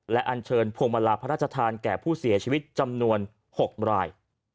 และอันเชิญพวงมาลาพระราชทานแก่ผู้เสียชีวิตจำนวน๖ราย